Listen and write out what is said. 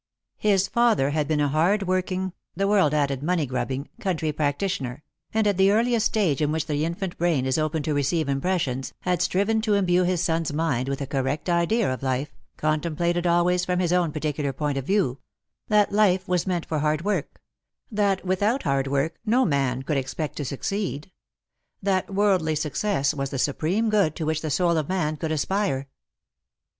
His father had been a hard working — the world added money grubbing — country practitioner, and, at the earliest stage in which the infant brain is open to receive impressions, had striven to imbue his son's mind with a correct idea of life, contemplated always from his own particular point of view : that life was meant for hard work — that without hard work no man could expect to succeed — that worldly success was the supreme good to which the soul of man could aspire.